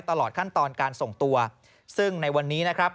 ตลอดขั้นตอนการส่งตัวซึ่งในวันนี้นะครับ